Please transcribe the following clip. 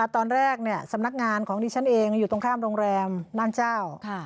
ตอนแรกสำนักงานของดิฉันเองอยู่ตรงข้ามโรงแรมบ้านเจ้า